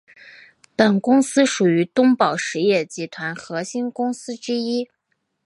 本公司属于东宝实业集团核心公司之一。